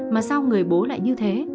mà sao người bố lại như thế